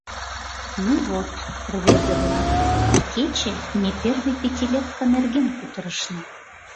— Ну вот... рвезе-влак... икече ме первый пятилетка нерген кутырышна...